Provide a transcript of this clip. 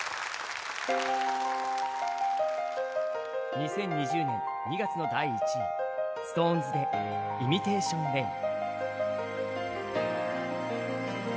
２０２０年２月の第１位、ＳｉｘＴＯＮＥＳで「ＩｍｉｔａｔｉｏｎＲａｉｎ」。